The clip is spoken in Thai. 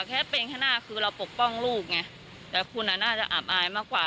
แค่เป็นข้างหน้าคือเราปกป้องลูกไงแต่คุณอ่ะน่าจะอับอายมากกว่า